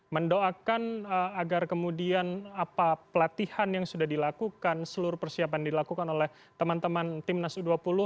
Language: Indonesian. mendoakan agar kemudian apa pelatihan yang sudah dilakukan seluruh persiapan dilakukan oleh teman teman timnas u dua puluh